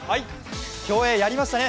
競泳やりましたね。